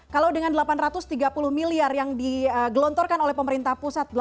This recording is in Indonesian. kalau dengan delapan ratus tiga puluh miliar yang digelontorkan oleh pemerintah pusat